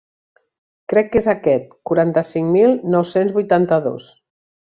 Crec que és aquest quaranta-cinc mil nou-cents vuitanta-dos.